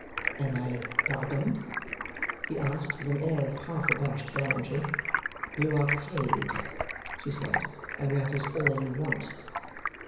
'Am I pardoned?' he asked, with an air of half abashed gallantry. 'You are paid,' she said, 'and that is all you want.